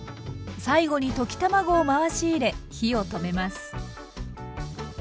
最後に溶き卵を回し入れ火を止めます。